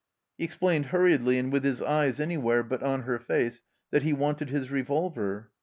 He explained hurriedly and with his eyes anywhere but on her face that he wanted his revolver.